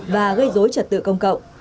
và gây dối trật tốc